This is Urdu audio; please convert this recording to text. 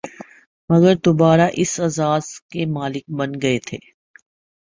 مگر دوبارہ اس اعزاز کے مالک بن گئے تھے